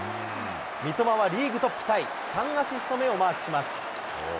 三笘はリーグトップタイ、３アシスト目をマークします。